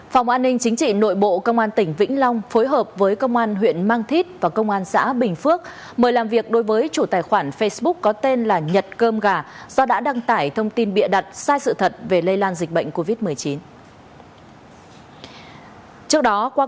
phòng an ninh chính trị nội bộ công an tỉnh vĩnh long phối hợp với công an huyện mang thít và công an xã bình phước mời làm việc đối với chủ tài khoản facebook có tên là nhật cơm gà do đã đăng tải thông tin bịa đặt sai sự thật về lây lan dịch bệnh covid một mươi chín